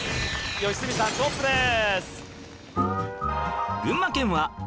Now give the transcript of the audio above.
良純さんトップです！